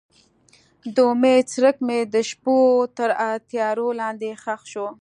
د امید څرک مې د شپو تر تیارو لاندې ښخ شو.